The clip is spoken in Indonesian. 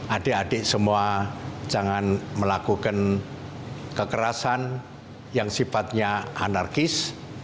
adik adik semua jangan melakukan kekerasan yang sifatnya anarkis